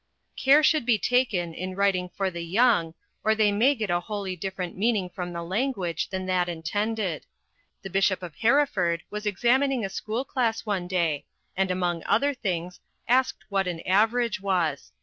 Care should be taken in writing for the young, or they may get a wholly different meaning from the language than that intended. The Bishop of Hereford was examining a school class one day, and, among other things, asked what an average was.